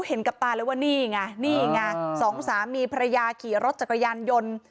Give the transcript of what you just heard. เห็นกับตาเลยว่านี่ไงนี่ไงสองสามีภรรยาขี่รถจักรยานยนต์